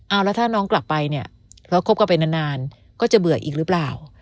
เอาแล้วถ้าน้องกลับไปเนี่ยแล้วคบกันไปนานก็จะเบื่ออีกหรือเปล่า